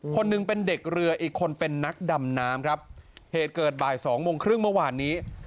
คนหนึ่งเป็นเด็กเรืออีกคนเป็นนักดำน้ำครับเหตุเกิดบ่ายสองโมงครึ่งเมื่อวานนี้